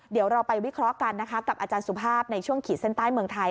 เดี๋ยวเราไปวิเคราะห์กันนะคะกับอาจารย์สุภาพในช่วงขีดเส้นใต้เมืองไทย